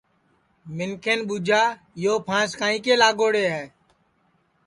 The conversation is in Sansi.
منکھین ٻوجھا یو پھانٚس کائیں کے لاگوڑے ہے